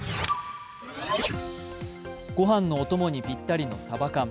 御飯のお供にぴったりのさば缶。